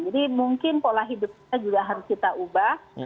jadi mungkin pola hidup kita juga harus kita ubah